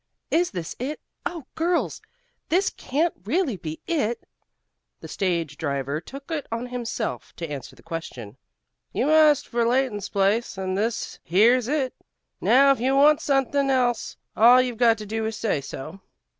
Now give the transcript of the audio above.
"Is this it? Oh, girls, this can't really be it!" The stage driver took it on himself to answer the question. "You asked for Leighton's place, and this here's it. Now, if you want suthin' else, all you've got to do is to say so."